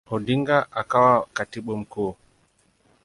Odinga akawa Katibu Mkuu.